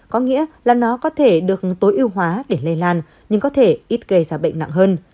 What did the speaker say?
có nghĩa là nó có thể được tối ưu hóa để lây lan nhưng có thể ít gây ra bệnh nặng hơn